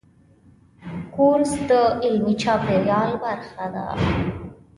کورس د علمي چاپېریال برخه ده.